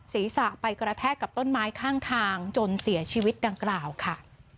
ศีรษะไปกระแทกกับต้นไม้ข้างทางจนเสียชีวิตดังกล่าวค่ะ